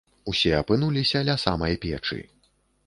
Усе апынуліся ля самай печы.